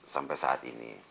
sampai saat ini